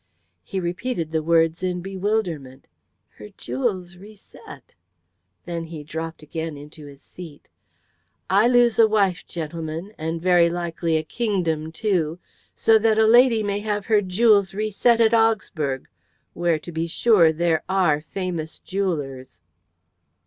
He repeated the words in bewilderment. "Her jewels reset!" Then he dropped again into his seat. "I lose a wife, gentlemen, and very likely a kingdom too, so that a lady may have her jewels reset at Augsburg, where, to be sure, there are famous jewellers."